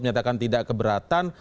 menyatakan tidak keberatan